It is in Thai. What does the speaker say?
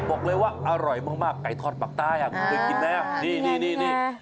บอกเลยว่าอร่อยมากไก่ทอดปลาคไต้คือเกิดกินนะฮะนี่